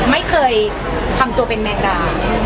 ไม่เคยทำตัวเป็นแมงดา